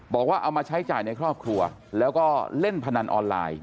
บอกว่าเอามาใช้จ่ายในครอบครัวแล้วก็เล่นพนันออนไลน์